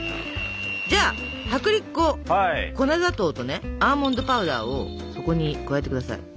じゃあ薄力粉粉砂糖とねアーモンドパウダーをそこに加えて下さい。